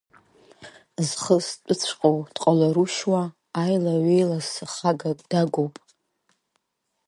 Зхы зтәыҵәҟьоу дҟаларушь уа, аилаҩеилас хагак дагуп.